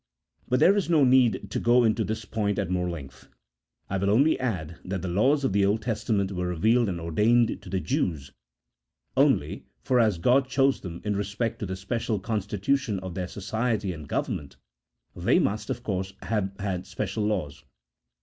But there is no need here to go into this point at more length. I will only add that the laws of the Old Testament were revealed and ordained to the Jews only, for as God chose them in respect to the special constitution of their society and go vernment, they must, of course, have had special laws.